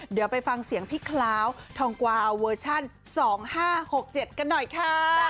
เดี๋ยวไปฟังเสียงพี่คลาวทองกวาเวอร์ชันสองห้าหกเจ็ดกันหน่อยค่ะ